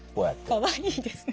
かわいいですね。